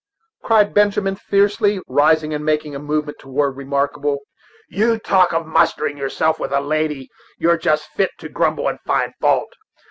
cried Benjamin fiercely, rising and making a movement toward Remarkable. "You talk of mustering yourself with a lady you're just fit to grumble and find fault.